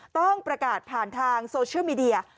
ต้องประกาศผ่านทางโซเชียลมีเดีย